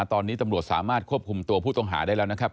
ตอนนี้ตำรวจสามารถควบคุมตัวผู้ต้องหาได้แล้วนะครับ